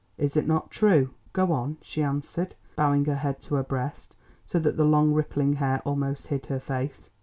Is it not true?" "Go on," she answered, bowing her head to her breast so that the long rippling hair almost hid her face.